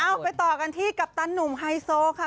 ไปต่อกันที่กัปตันหนุ่มไฮโซค่ะ